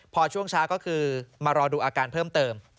พอช่วงเช้าก็คือมารอดูอาการเพิ่มเติม